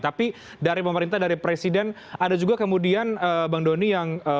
tapi dari pemerintah dari presiden ada juga kemudian bang doni yang